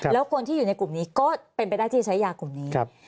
แล้วคนที่อยู่ในกลุ่มนี้ก็เป็นไปได้ที่ใช้ยากลุ่มนี้